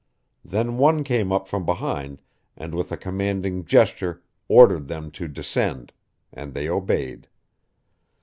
Then one came up from behind and with a commanding gesture ordered them to descend, and they obeyed.